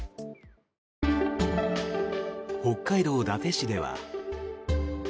北海道伊達市では。